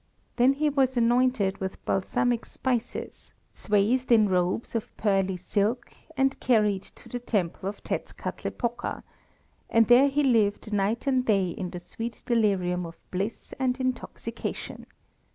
then he was anointed with balsamic spices, swathed in robes of pearly silk, and carried to the Temple of Tetzkatlepoka, and there he lived night and day in the sweet delirium of bliss and intoxication.